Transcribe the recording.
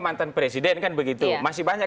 mantan presiden kan begitu masih banyak